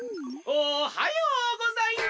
おはようございます！